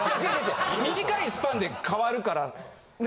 短いスパンで変わるからね？